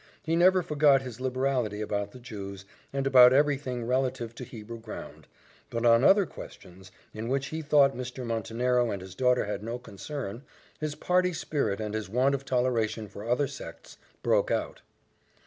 He never forgot his liberality about the Jews, and about every thing relative to Hebrew ground; but on other questions, in which he thought Mr. Montenero and his daughter had no concern, his party spirit and his want of toleration for other sects broke out.